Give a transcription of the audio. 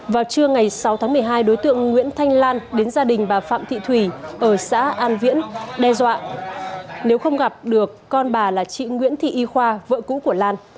vào trưa ngày sáu tháng một mươi hai đối tượng nguyễn thanh lan đến gia đình bà phạm thị thủy ở xã an viễn đe dọa nếu không gặp được con bà là chị nguyễn thị y khoa vợ cũ của lan